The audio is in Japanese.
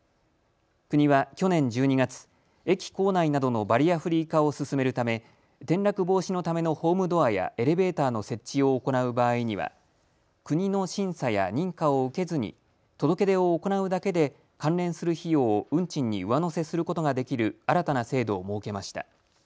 国は去年１２月、駅構内などのバリアフリー化を進めるため転落防止のためのホームドアやエレベーターの設置を行う場合には国の審査や認可を受けずに届け出を行うだけで関連する費用を運賃に上乗せすることができる新たな制度を設けました。